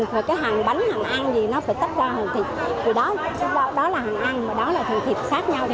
hàng bánh hàng ăn gì nó phải tắt ra hàng thịt đó là hàng ăn và đó là thịt sát nhau